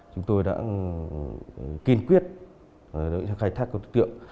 chúng tôi đã kinh quyết khai thác các đối tượng